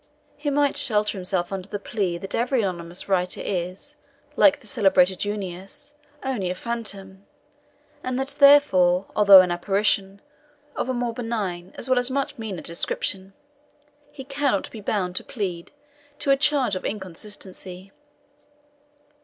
He might shelter himself under the plea that every anonymous writer is, like the celebrated Junius, only a phantom, and that therefore, although an apparition, of a more benign, as well as much meaner description, he cannot be bound to plead to a charge of inconsistency.